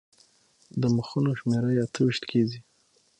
د مخونو شمېره یې اته ویشت کېږي.